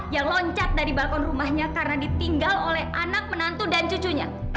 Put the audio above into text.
yang loncat dari balkon rumahnya karena ditinggal oleh anak menantu dan cucunya